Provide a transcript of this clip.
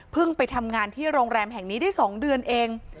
ไปทำงานที่โรงแรมแห่งนี้ได้๒เดือนเอง